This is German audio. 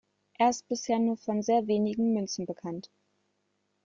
Er ist bisher nur von sehr wenigen Münzen bekannt.